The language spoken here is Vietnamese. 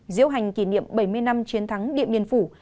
diễu hành kỷ niệm bảy mươi năm chiến thắng điện biên phủ